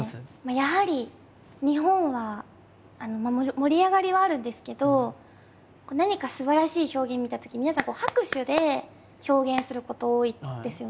やはり日本は盛り上がりはあるんですけど何かすばらしい表現を見たとき皆さん拍手で表現すること多いんですよね。